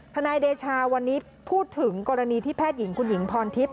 นายเดชาวันนี้พูดถึงกรณีที่แพทย์หญิงคุณหญิงพรทิพย